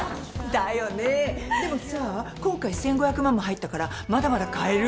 だよねでもさ今回１，５００万も入ったからまだまだ買える。